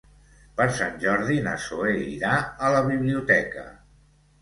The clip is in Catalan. Per Sant Jordi na Zoè irà a la biblioteca.